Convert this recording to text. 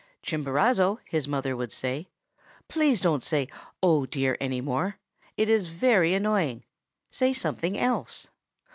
"'Chimborazo,' his mother would say, 'please don't say, "Oh, dear!" any more. It is very annoying. Say something else.